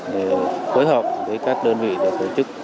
để phối hợp với các đơn vị để tổ chức